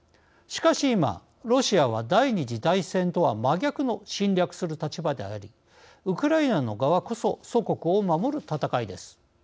しかし今、ロシアは第２次大戦とは真逆の侵略する立場でありウクライナの側こそ祖国を守る戦いです。